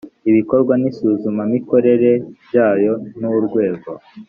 ibikorwa n isuzumamikorere byayo n urwego